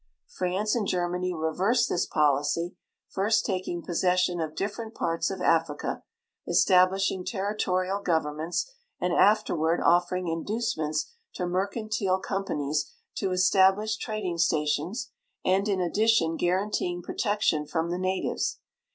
France and Germany reversed this policy, first taking possession of different parts of Africa, establishing territorial governments, and aftei'Avard offering in ducements to mercantile companies to establish trading stations and in addition guaranteeing protection from the natiA^es.